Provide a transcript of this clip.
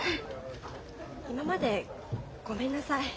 今までごめんなさい。